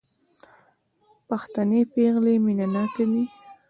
پښتنې پېغلې مينه ناکه دي